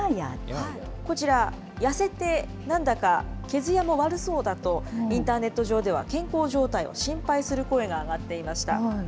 こちら、痩せてなんだか毛づやも悪そうだと、インターネット上では健康状態を心配する声が上がっていました。